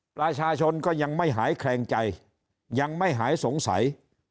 ประชาชนก็ยังไม่หายแคลงใจยังไม่หายสงสัย